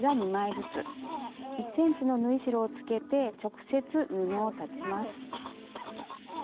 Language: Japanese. １ｃｍの縫い代をつけて直接布を裁ちます。